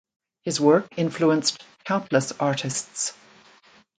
His work influenced countless artists.